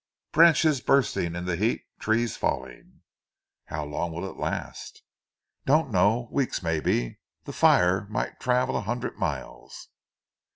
"Branches bursting in the heat, trees falling." "How long will it last?" "Don't know. Weeks maybe! The fire might travel a hundred miles."